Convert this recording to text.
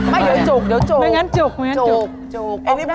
ไม่เดี๋ยวจุกเดี๋ยวจุกไม่งั้นจุกไม่งั้นจุกจุก